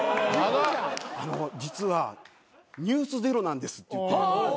実は『ｎｅｗｓｚｅｒｏ』なんですって言って。